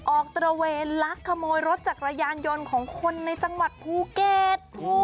ตระเวนลักขโมยรถจักรยานยนต์ของคนในจังหวัดภูเก็ต